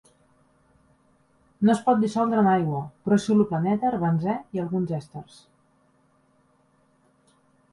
No es pot dissoldre en aigua, però és soluble en èter, benzè i alguns èsters.